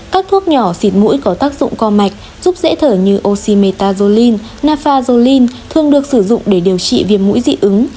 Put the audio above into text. các thuốc nhỏ xịt mũi có tác dụng co mạch giúp dễ thở như ocimetazoline nafazoline thường được sử dụng để điều trị viêm mũi dị ứng